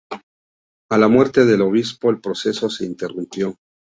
A la muerte del obispo el proceso se interrumpió.